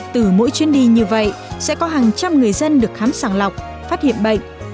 từ mỗi chuyến đi như vậy sẽ có hàng trăm người dân được khám sàng lọc phát hiện bệnh